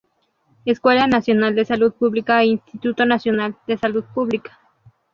Escuela Nacional de Salud Pública e Instituto Nacional de Salud Pública.